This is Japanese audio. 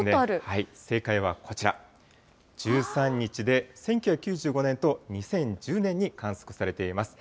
正解はこちら、１３日で１９９５年と２０１０年に観測されています。